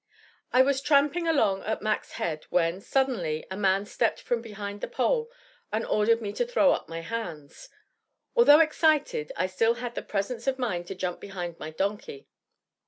I was tramping along at Mac's head when, suddenly, a man stepped from behind the pole and ordered me to throw up my hands. Although excited, I still had the presence of mind to jump behind my donkey.